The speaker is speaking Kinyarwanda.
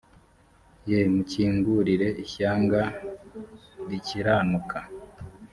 ye mukingurire ishyanga rikiranuka